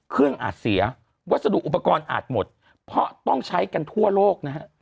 อาจเสียวัสดุอุปกรณ์อาจหมดเพราะต้องใช้กันทั่วโลกนะฮะ